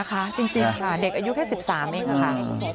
จริงค่ะเด็กอายุแค่๑๓เองค่ะ